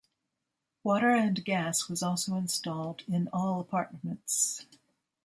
Water and gas was also installed in all apartments.